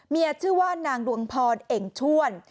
ชื่อว่านางดวงพรเอ่งชวน